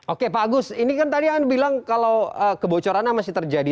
oke pak agus ini kan tadi anda bilang kalau kebocorannya masih terjadi